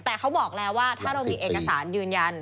แต่เขาบอกแหละว่าอยากมีเอกสารยืนยัน